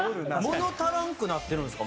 物足らんくなってるんですか？